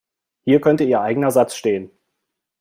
Hier könnte Ihr eigener Satz stehen.